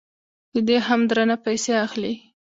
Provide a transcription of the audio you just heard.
ددې هم درنه پیسې اخلي.